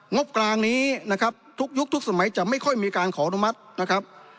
งบกลางนี้นะครับทุกยุคทุกสมัยจะไม่ค่อยมีการขออนุมัตินะครับ